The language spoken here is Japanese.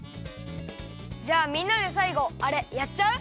じゃあみんなでさいごあれやっちゃう！？